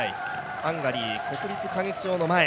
ハンガリー国立歌劇場の前。